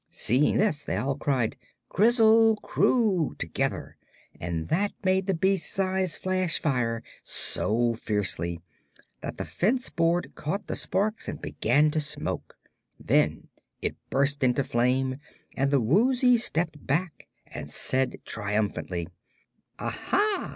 Seeing this, they all cried "Krizzle Kroo!" together, and that made the beast's eyes flash fire so fiercely that the fence board caught the sparks and began to smoke. Then it burst into flame, and the Woozy stepped back and said triumphantly: "Aha!